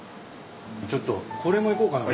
ちょっとこれもいこうかな。